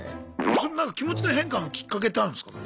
それなんか気持ちの変化のきっかけってあるんですか？